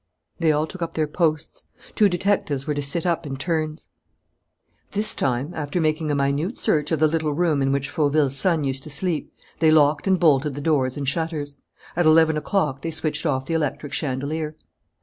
They all took up their posts. Two detectives were to sit up in turns. This time, after making a minute search of the little room in which Fauville's son used to sleep, they locked and bolted the doors and shutters. At eleven o'clock they switched off the electric chandelier.